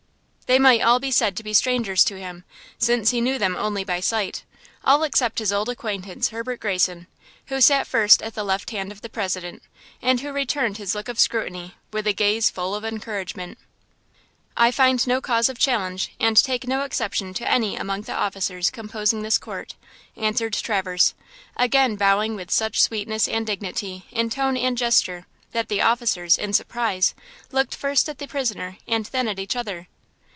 They might all be said to be strangers to him, since he knew them only by sight–all except his old acquaintance, Herbert Greyson, who sat first at the left hand of the President, and who returned his look of scrutiny with a gaze full of encouragement. "I find no cause of challenge, and take no exception to any among the officers composing this court," answered Traverse, again bowing with such sweetness and dignity in tone and gesture that the officers, in surprise, looked first at the prisoner and then at each other.